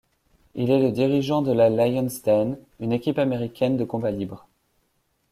Il est le dirigeant de la Lion's Den, une équipe américaine de combat libre.